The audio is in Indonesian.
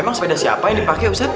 emang sepeda siapa yang dipakai ustadz